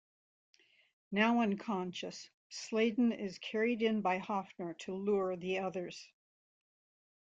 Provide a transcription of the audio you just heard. Now unconscious, Sladen is carried in by Hofner to lure the others.